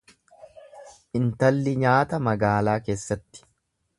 Intalli nyaata magaalaa keessatti.